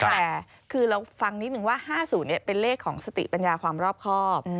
แต่คือเราฟังนิดนึงว่า๕๐เป็นเลขของสติปัญญาความรอบครอบ